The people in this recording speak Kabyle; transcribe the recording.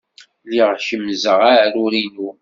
Lliɣ kemmzeɣ aɛrur-inu.